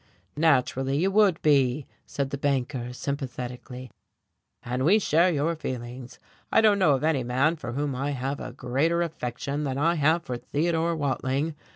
"Naturally you would be," said the banker, sympathetically, "and we share your feelings. I don't know of any man for whom I have a greater affection than I have for Theodore Wading.